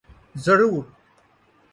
ضرور۔